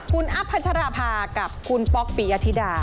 คุณอัพพัชราภากับคุณป๊อกปียธิดา